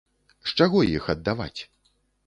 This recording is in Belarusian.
З чаго іх аддаваць?